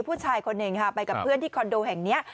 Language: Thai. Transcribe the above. ผู้ชายคนหนึ่งค่ะไปกับเพื่อนที่คอนโดแห่งนี้